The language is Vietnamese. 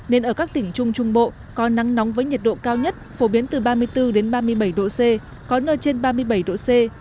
nên ở các tỉnh trung trung bộ có nắng nóng với nhiệt độ cao nhất phổ biến từ ba mươi bốn ba mươi bảy độ c có nơi trên ba mươi bảy độ c